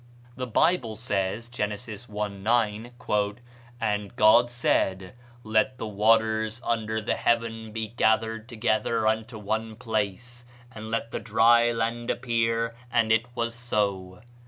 The Bible says (Gen. i., 9), "And God said, Let the waters under the heaven be gathered together unto one place, and let the dry land appear: and it was so."